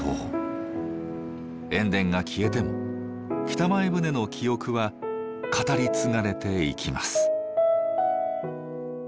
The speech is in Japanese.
塩田が消えても北前船の記憶は語り継がれていきます。